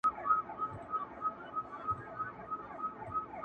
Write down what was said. ور شریک یې په زګېروي په اندېښنې سو؛